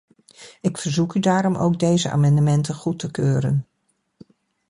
Ik verzoek u daarom ook deze amendementen goed te keuren.